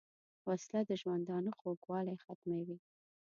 وسله د ژوندانه خوږوالی ختموي